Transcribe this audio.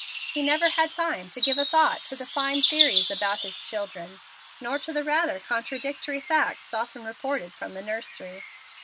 He never had time to give a thought to the fine theories about his children, nor to the rather contradictory facts often reported from the nursery.